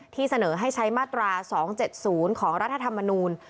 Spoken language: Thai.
เสนอให้ใช้มาตรา๒๗๐ของรัฐธรรมนูล